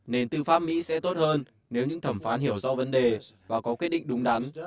nền tư pháp mỹ sẽ tốt hơn nếu những thẩm phán hiểu rõ vấn đề và có kết định đúng đắn